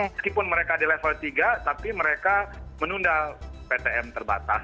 meskipun mereka di level tiga tapi mereka menunda ptm terbatas